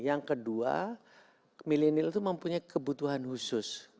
yang kedua milenial itu mempunyai kebutuhan khusus